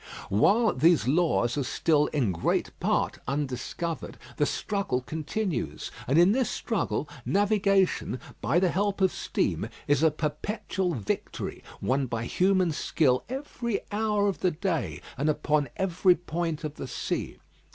While these laws are still in great part undiscovered, the struggle continues, and in this struggle navigation, by the help of steam, is a perpetual victory won by human skill every hour of the day, and upon every point of the sea.